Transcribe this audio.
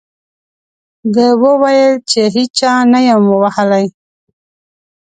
ده وویل چې هېچا نه یم ووهلی.